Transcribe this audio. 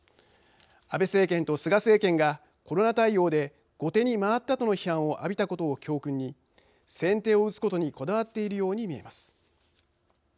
安倍政権と菅政権がコロナ対応で後手に回ったとの批判を浴びたことを教訓に先手を打つことにこだわっているように見えます。